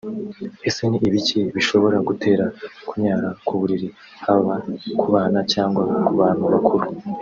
Ese ni ibiki bishobora gutera kunyara ku buriri haba ku bana cyangwa ku bantu bakuru